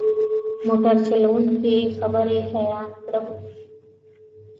موټر چلوونکي خبرې حیران کړم.